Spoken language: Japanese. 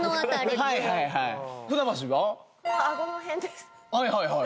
はいはいはい。